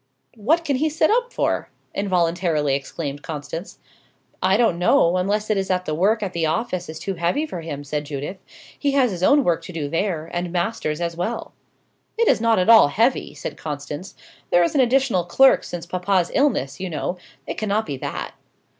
"What can he sit up for?" involuntarily exclaimed Constance. "I don't know, unless it is that the work at the office is too heavy for him," said Judith. "He has his own work to do there, and master's as well." "It is not at all heavy," said Constance. "There is an additional clerk since papa's illness, you know. It cannot be that."